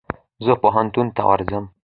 زه پوهنتون ته ورځم.